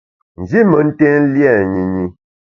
Nji mentèn lia nyinyi.